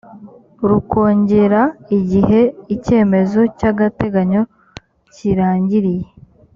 rukongera igihe icyemezo cy’agateganyo kirangiriye